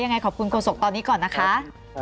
ยังไงขอบคุณโฆษกตอนนี้ก่อนนะคะ